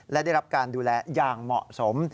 และได้รับการดูแลอย่างเหมาะสม